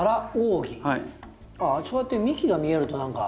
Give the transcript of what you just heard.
ああそうやって幹が見えると何か。